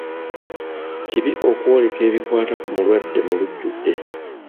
Kibi okwoleka ebikwata ku mulwadde mu lujjudde.